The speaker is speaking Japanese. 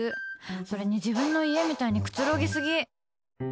それに自分の家みたいにくつろぎすぎ！